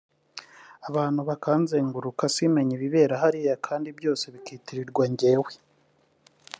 abantu bakanzenguruka simenye ibibera hariya kandi byose bikitirirwa njyewe